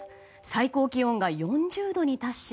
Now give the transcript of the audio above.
最高気温が４０度に達し